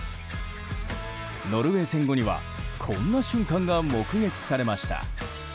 ノルウェー戦後にはこんな瞬間が目撃されました。